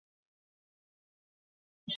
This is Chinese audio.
其时喃迦巴藏卜已卒。